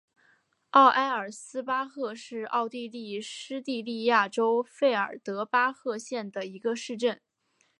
奥埃尔斯巴赫是奥地利施蒂利亚州费尔德巴赫县的一个市镇。